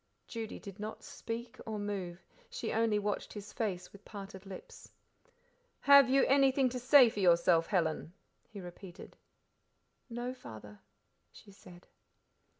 Judy did not speak or move, she only watched his face with parted lips. "Have you anything to say for yourself, Helen?" he repeated. "No, Father," she said.